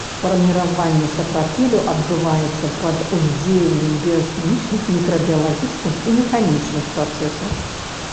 Фарміраванне сапрапелю адбываецца пад уздзеяннем біяхімічных, мікрабіялагічных і механічных працэсаў.